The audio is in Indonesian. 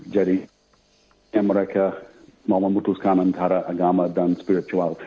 jadi mereka mau memutuskan antara agama dan spiritual